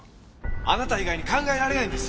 あなた以外に考えられないんです。